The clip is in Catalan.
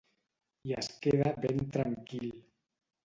I es queda ben tranquil.